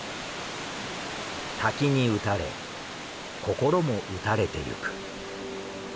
滝に打たれ心も打たれていく。